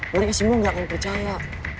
mereka semua gak akan percaya